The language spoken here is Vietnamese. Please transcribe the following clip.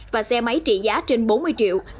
và xe máy trị giá trên bốn mươi triệu là bốn triệu đồng